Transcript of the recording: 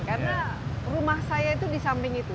karena rumah saya itu di samping itu